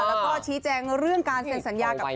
แล้วก็ชี้แจงเรื่องการเซ็นสัญญากับ